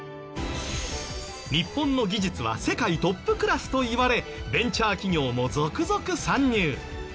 日本の技術は世界トップクラスといわれベンチャー企業も続々参入。